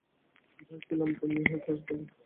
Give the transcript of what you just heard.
ভয়ে ছিলাম তুমি হয়তো আসবে না।